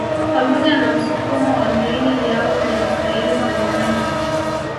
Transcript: Pamoja na msukumo wa miili yao na staili mbalimbali